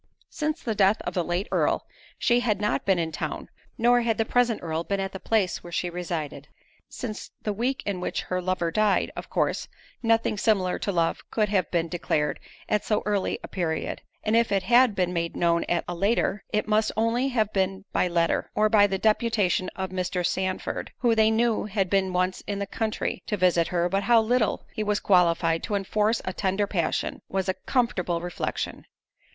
Since the death of the late Earl, she had not been in town; nor had the present Earl been near the place where she resided, since the week in which her lover died; of course, nothing similar to love could have been declared at so early a period; and if it had been made known at a later, it must only have been by letter, or by the deputation of Mr. Sandford, who they knew had been once in the country to visit her; but how little he was qualified to enforce a tender passion, was a comfortable reflection.